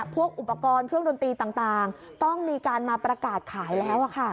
พวกอุปกรณ์เครื่องดนตรีต่างต้องมีการมาประกาศขายแล้ว